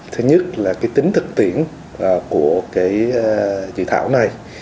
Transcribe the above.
thứ nhất là cái tính thực tiễn của cái dự thảo này